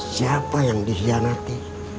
siapa yang dikhianati